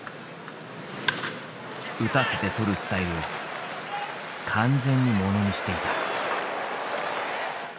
打たせてとるスタイルを完全にものにしていた。